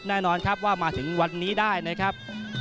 แน่นอนครับว่ามาถึงวันนี้ได้นะครับ